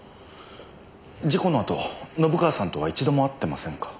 事故のあと信川さんとは一度も会ってませんか？